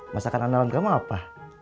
masakan anda lantai sama apa